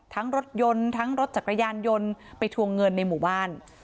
รถยนต์ทั้งรถจักรยานยนต์ไปทวงเงินในหมู่บ้าน